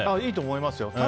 いいと思いますよ。